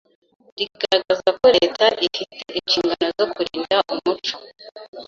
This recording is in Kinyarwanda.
rigaragaza ko Leta ifite inshingano zo kurinda umuco